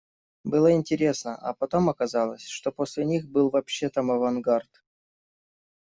Было интересно, а потом оказалось, что после них был вообще там авангард.